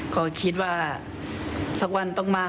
ก็คิดว่าสักวันต้องมา